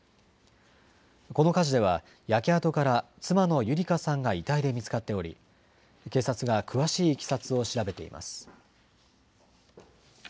この火事では、焼け跡から妻の優理香さんが遺体で見つかっており、警察が詳しいいきさつを調べています。